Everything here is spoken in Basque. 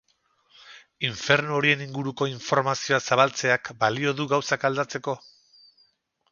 Infernu horien inguruko informazioa zabaltzeak balio du gauzak aldatzeko?